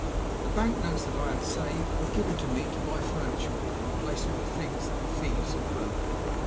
The bank notes that I had saved were given to me to buy furniture with, in place of the things that the thieves had broken.